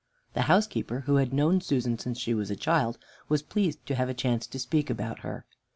The housekeeper, who had known Susan since she was a child, was pleased to have a chance to speak about her.